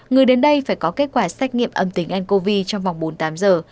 người đến đây phải có kết quả xét nghiệm âm tính ncov trong vòng bốn mươi tám giờ